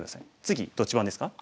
次どっち番ですか？